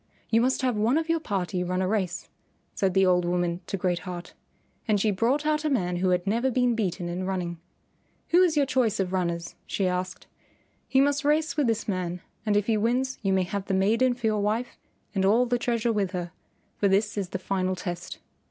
"You must have one of your party run a race," said the old woman to Great Heart. And she brought out a man who had never been beaten in running. "Who is your choice of runners?" she asked; "he must race with this man, and if he wins you may have the maiden for your wife and all the treasure with her, for this is the final test.